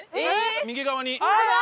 右側に。